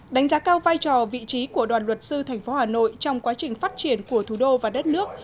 đánh giá cao vai trò vị trí của đoàn luật sư tp hà nội trong quá trình phát triển của thủ đô và đất nước